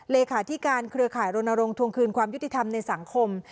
เลขาธิการเครือข่ายรณรงค์ทวงคืนความยุติธรรมในสังคม